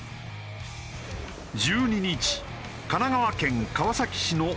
１２日神奈川県川崎市の飲食店には。